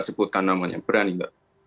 coba sebutkan namanya berani gak